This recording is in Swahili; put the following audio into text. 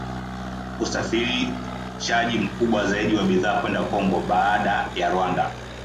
usafirishaji mkubwa zaidi wa bidhaa kwenda Kongo, baada ya Rwanda